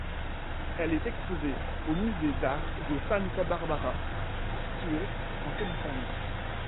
Elle est exposée au musée d'art de Santa Barbara, situé en Californie.